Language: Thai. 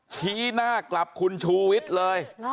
ชี้หน้ากลับคุณชูวิทย์เลย